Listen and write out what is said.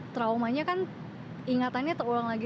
traumanya kan ingatannya terulang lagi